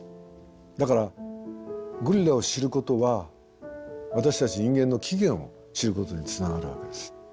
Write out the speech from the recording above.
だからゴリラを知ることは私たち人間の起源を知ることにつながるわけです。